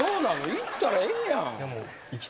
行ったらええやん。